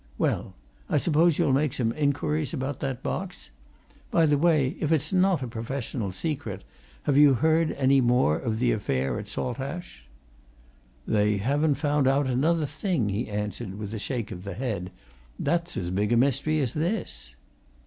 Well I suppose you'll make some inquiries about that box? By the way, if it's not a professional secret, have you heard any more of the affair at Saltash?" "They haven't found out another thing," he answered, with a shake of the head. "That's as big a mystery as this!